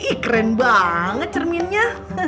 ih keren banget cerminnya